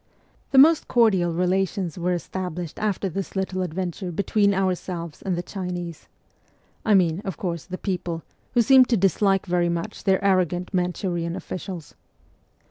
The most cordial relations were established after this little adventure between ourselves and the Chinese I mean, of course, the people, who seemed to dislike very much their arrogant Manchurian officials.